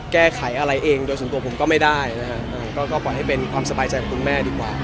แก้ไขอะไรเองโดยส่วนตัวผมก็ไม่ได้นะฮะก็ปล่อยให้เป็นความสบายใจของคุณแม่ดีกว่า